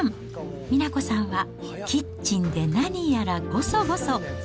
美奈子さんはキッチンで何やらごそごそ。